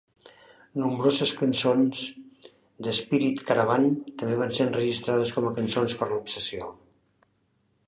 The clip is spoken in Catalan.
Nombroses cançons de Spirit Caravan també van ser enregistrades com a cançons per l'obsessió.